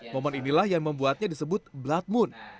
momen inilah yang membuatnya disebut blood moon